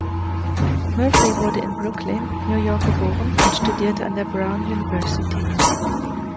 Murphy wurde in Brooklyn, New York, geboren und studierte an der Brown University.